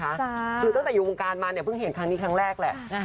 คือตั้งแต่อยู่วงการมาเนี่ยเพิ่งเห็นครั้งนี้ครั้งแรกแหละ